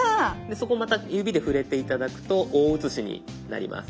そこまた指で触れて頂くと大写しになります。